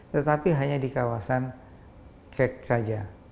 tetapi hanya di kawasan kek saja